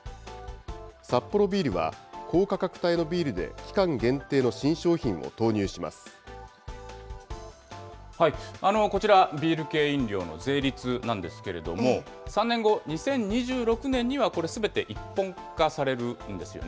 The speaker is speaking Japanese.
サッポロビールは、高価格帯のビールで期間限定の新商品を投入しこちら、ビール系飲料の税率なんですけれども、３年後、２０２６年にはこれ、すべて一本化されるんですよね。